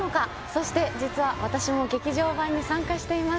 そして実は私も劇場版に参加しています